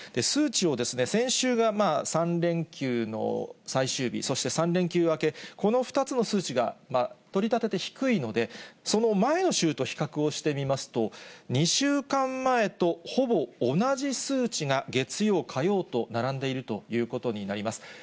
数値を先週が３連休の最終日、そして３連休明け、この２つの数値が、取り立てて低いので、その前の週と比較をしてみますと、２週間前とほぼ同じ数値が、月曜、火曜と並んでいるということになります。